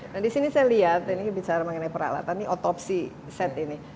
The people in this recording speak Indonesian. nah di sini saya lihat tadi kita bicara mengenai peralatan otopsi set ini